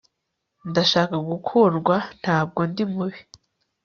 ndashaka gukundwa ntabwo ndi mubi